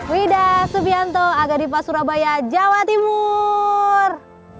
wida subianto agadipa surabaya jawa timur